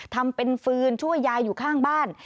ทำเป็นฟืนช่วยยายอยู่ข้างบ้าน